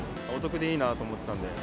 お得でいいなと思ってたんで。